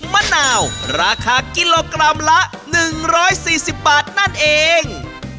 มะนาวราคากิโลกรัมละ๑๔๐บาทนั่นเอง